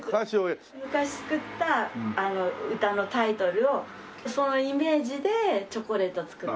昔作った歌のタイトルをそのイメージでチョコレートを作って。